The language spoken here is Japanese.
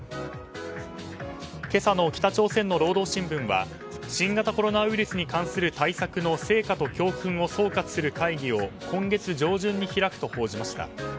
今朝の北朝鮮の労働新聞は新型コロナウイルスに関する対策の成果と教訓を総括する会議を今月上旬に開くと報じました。